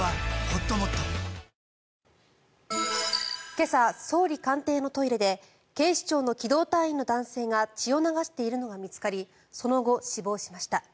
今朝、総理官邸のトイレで警視庁の機動隊員の男性が血を流しているのが見つかりその後、死亡しました。